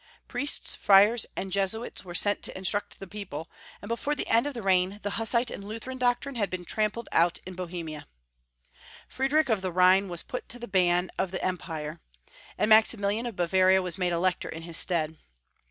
Priests, friars, and Jesuits were Ferdinand IL 335 sent to instruct the people, and before the end of the reign the Hussite and Lutheran doctrine had been trampled out in Bohemia. Friedrich of the Rhine was put to the ban of th^ Empu'e, and Maximilian of Bavaria was made Elector in his stead.